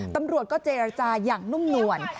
ตำรวจก็เจรจาอย่างนุ่มนวล